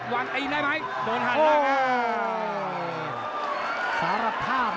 หวังอินได้ไหมโดนหันแล้วครับ